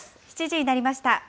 ７時になりました。